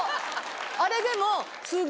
あれでも。